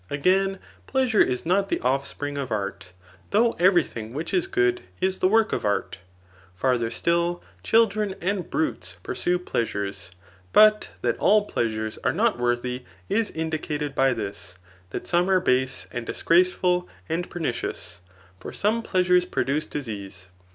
Again, pleasure is not the ofispring of art ; though every thing which is good, is the work of art. Farther still, children and brutes pursue pleasures. But that all pleasures are not worthy is indicated by this, that some are base, and disgraceful, and pernicious ; for some pleasures produce disease.